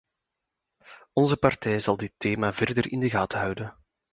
Onze partij zal dit thema verder in de gaten houden.